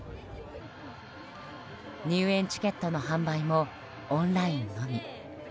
入園チケットの販売もオンラインのみ。